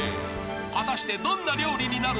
［果たしてどんな料理になるのか？］